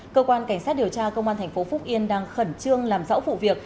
cơ quan cảnh sát điều tra công an thành phố phúc yên đang khẩn trương làm rõ vụ việc